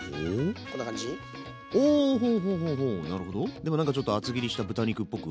でもなんかちょっと厚切りした豚肉っぽく？